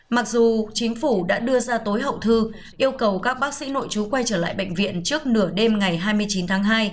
mặc dù chính phủ đã đưa ra tối hậu thư yêu cầu các bác sĩ nội chú quay trở lại bệnh viện trước nửa đêm ngày hai mươi chín tháng hai